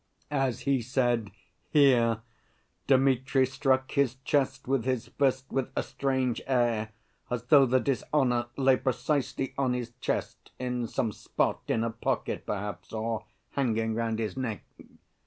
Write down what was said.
(As he said "here," Dmitri struck his chest with his fist with a strange air, as though the dishonor lay precisely on his chest, in some spot, in a pocket, perhaps, or hanging round his neck.)